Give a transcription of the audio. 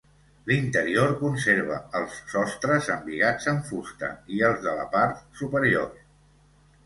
L'interior conserva els sostres embigats amb fusta, i els de la part superior.